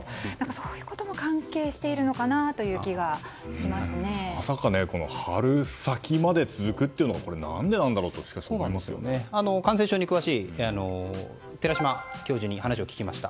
そういうことも関係しているのかなというまさか春先まで続くというのは感染症に詳しい寺嶋教授に話を聞きました。